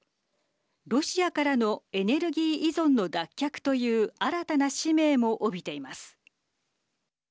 ロシアからのエネルギー依存の脱却という新たな使命も帯びています。